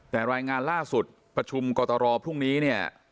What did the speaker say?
แต่รายงานล่าสุดประชุมกรตรพรุ่งนี้เนี่ย